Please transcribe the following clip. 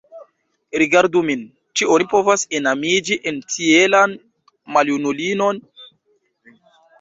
Rigardu min: ĉu oni povas enamiĝi en tielan maljunulinon?